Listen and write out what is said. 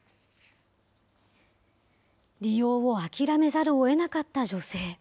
利用を諦めざるをえなかった女性。